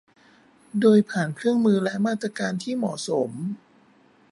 โดยผ่านเครื่องมือและมาตรการที่เหมาะสม